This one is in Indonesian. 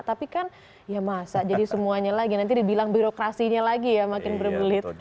tapi kan ya masa jadi semuanya lagi nanti dibilang birokrasinya lagi ya makin berbelit